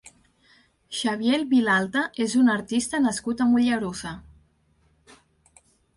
Xavier Vilalta és un artista nascut a Mollerussa.